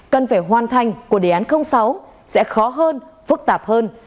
cần phải hoàn thành của đề án sáu sẽ khó hơn phức tạp hơn